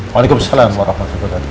waalaikumsalam warahmatullahi wabarakatuh